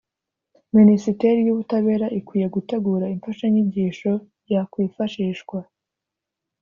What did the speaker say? Minisiteri y Ubutabera ikwiye gutegura imfashanyigisho yakwifashishwa